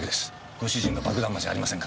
ご主人が爆弾魔じゃありませんから。